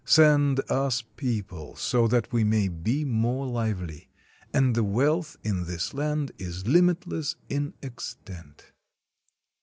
Send us people, so that we may be more lively. And the wealth in this land is limitless in extent."